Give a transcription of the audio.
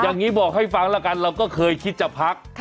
อย่างนี้บอกให้ฟังแล้วกันเราก็เคยคิดจะพัก